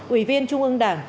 ủy viên trung ương đảng